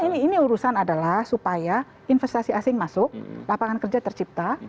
jadi ini urusan adalah supaya investasi asing masuk lapangan kerja tercipta